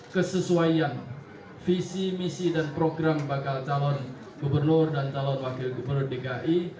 kesesuaian visi misi dan program bakal calon gubernur dan calon wakil gubernur dki